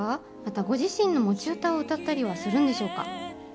ご自身の持ち歌を歌ったりするんでしょうか？